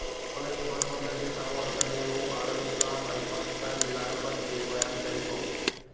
انهيءَ پس منظر کي سامهون رکندي هو عالم اسلام ۽ پاڪستان جي لاڳاپن کي بيان ڪري ٿو.